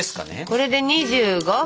これで２５分。